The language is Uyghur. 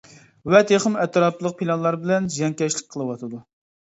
ۋە تېخىمۇ ئەتراپلىق پىلانلار بىلەن زىيانكەشلىك قىلىۋاتىدۇ.